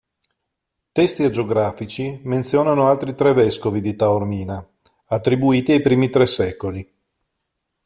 Testi agiografici menzionano altri tre vescovi di Taormina, attribuiti ai primi tre secoli.